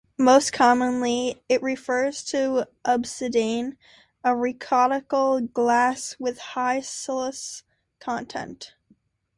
Most commonly, it refers to obsidian, a rhyolitic glass with high silica content.